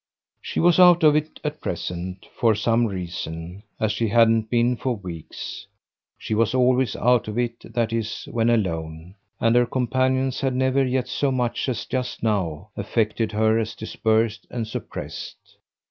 She was out of it at present, for some reason, as she hadn't been for weeks; she was always out of it, that is, when alone, and her companions had never yet so much as just now affected her as dispersed and suppressed.